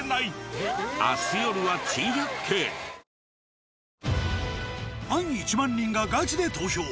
サントリーファン１万人がガチで投票！